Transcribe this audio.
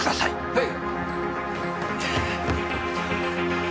はい！